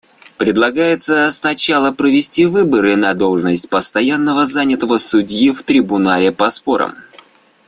Предлагается сначала провести выборы на должность постоянно занятого судьи в Трибунале по спорам.